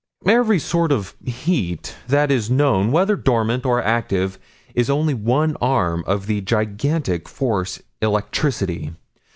"Every sort of heat that is known, whether dormant or active, is only one arm of the gigantic force electricity.